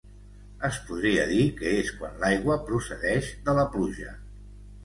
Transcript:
Es podria dir que és quan l'aigua procedeix de la pluja.